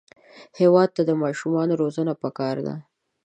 هېواد ته د ماشومانو روزنه پکار ده